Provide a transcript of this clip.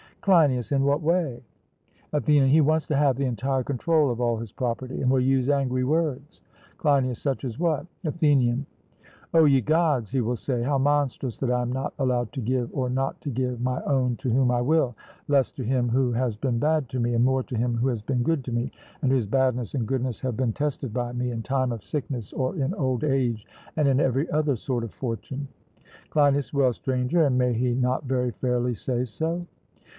CLEINIAS: In what way? ATHENIAN: He wants to have the entire control of all his property, and will use angry words. CLEINIAS: Such as what? ATHENIAN: O ye Gods, he will say, how monstrous that I am not allowed to give, or not to give, my own to whom I will less to him who has been bad to me, and more to him who has been good to me, and whose badness and goodness have been tested by me in time of sickness or in old age and in every other sort of fortune! CLEINIAS: Well, Stranger, and may he not very fairly say so?